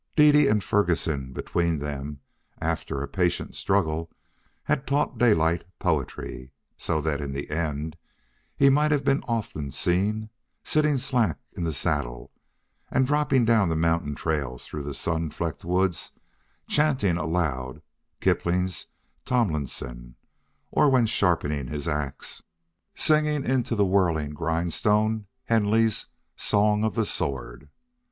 Dede and Ferguson, between them, after a patient struggle, taught Daylight poetry, so that in the end he might have been often seen, sitting slack in the saddle and dropping down the mountain trails through the sun flecked woods, chanting aloud Kipling's "Tomlinson," or, when sharpening his ax, singing into the whirling grindstone Henley's "Song of the Sword."